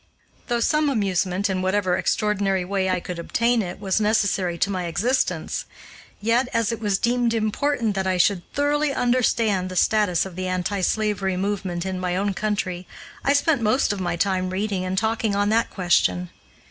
Though some amusement, in whatever extraordinary way I could obtain it, was necessary to my existence, yet, as it was deemed important that I should thoroughly understand the status of the anti slavery movement in my own country, I spent most of my time reading and talking on that question.